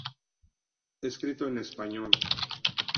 Escrito en Español.